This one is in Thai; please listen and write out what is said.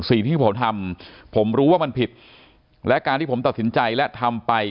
สิ่งที่ผมทำผมรู้ว่ามันผิดและการที่ผมตัดสินใจและทำไป